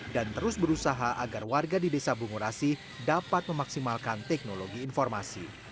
dan terus berusaha agar warga di desa bungurasi dapat memaksimalkan teknologi informasi